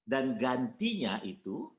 dan gantinya itu